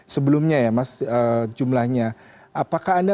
sebelumnya ya mas jumlahnya apakah anda